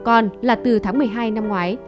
con là từ tháng một mươi hai năm ngoái